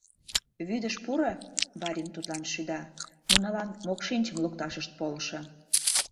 — Вӱдыш пуро, — барин тудлан шӱда, — нунылан мокшинчым лукташышт полшо...